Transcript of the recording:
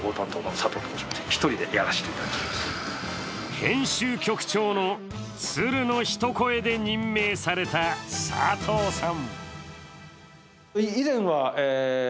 編集局長の鶴の一声で任命された佐藤さん。